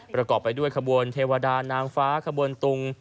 ประกอบไปด้วยขบวนเทวดานางฟ้าขบวนตุง